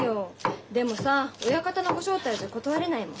でもさ親方のご招待じゃ断れないもん。